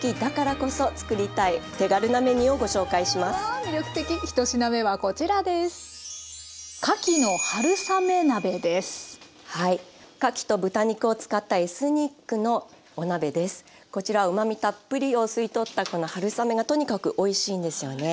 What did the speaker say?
こちらうまみたっぷりを吸い取ったこの春雨がとにかくおいしいんですよね。